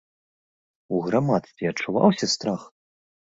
У грамадстве адчуваўся страх?